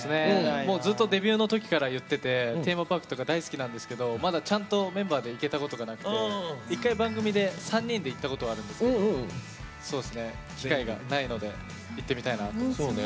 デビューのときから言ってるんですけどテーマパークとか大好きなんですけどまだ、ちゃんとメンバーで行けたことがなくて１回番組で３人で行ったことはあるんですけど機会がないので行ってみたいな。